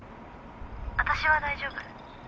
「私は大丈夫」